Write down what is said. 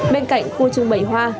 bên cạnh khu trưng bầy hoa